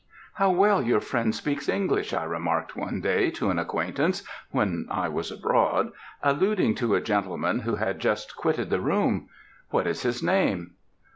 "How well your friend speaks English!" I remarked one day to an acquaintance when I was abroad, alluding to a gentleman who had just quitted the room. "What is his name?"